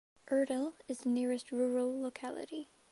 Urtil is the nearest rural locality.